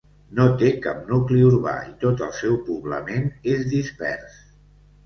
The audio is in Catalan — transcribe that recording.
No té cap nucli urbà i tot el seu poblament és dispers.